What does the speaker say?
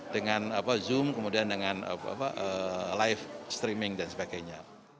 dengan zoom live streaming dan sebagainya